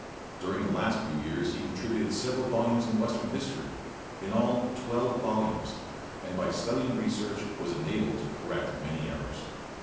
During the last few years he contributed several volumes on western history, in all twelve volumes, and by study and research was enabled to correct many errors.